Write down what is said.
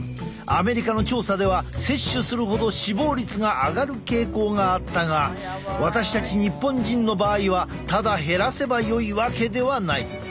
アメリカの調査では摂取するほど死亡率が上がる傾向があったが私たち日本人の場合はただ減らせばよいわけではない。